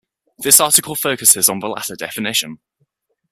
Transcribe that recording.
This article focuses on the latter definition.